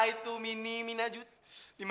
ibu minta dua doing